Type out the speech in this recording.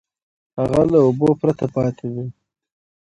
هغه له اوبو پرته پاتې دی.